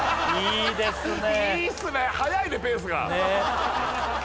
いいですね